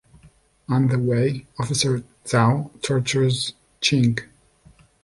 On the way, Officer Zau tortures Ching.